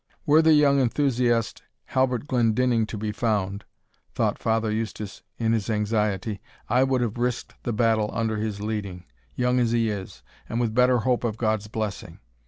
"Were the young enthusiast Halbert Glendinning to be found," thought Father Eustace in his anxiety, "I would have risked the battle under his leading, young as he is, and with better hope of God's blessing.